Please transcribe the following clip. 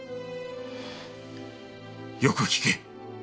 よく聞け！